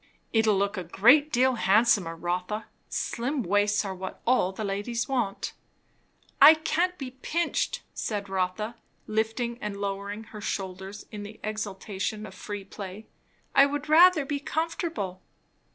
"It'll look a great deal handsomer, Rotha. Slim waists are what all the ladies want." "I can't be pinched," said Rotha, lifting and lowering her shoulders in the exultation of free play. "I would rather be comfortable."